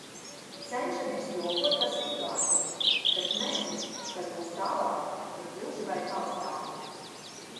Cenšamies jokot par situāciju, bet neziņa, kas būs tālāk, ir gluži vai taustāma.